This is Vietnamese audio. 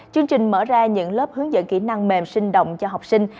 chương trình mở ra những lớp hướng dẫn kỹ năng mềm sinh động cho học sinh